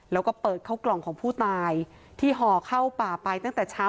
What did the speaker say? แล้วก็เปิดเข้ากล่องของผู้ตายที่ห่อเข้าป่าไปตั้งแต่เช้า